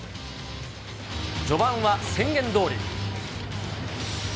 序盤は宣言どおり。